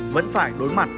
vẫn phải đối mặt